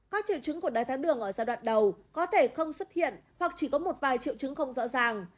các triệu chứng của đáy tháo đường ở giai đoạn đầu có thể không xuất hiện hoặc chỉ có một vài triệu chứng không rõ ràng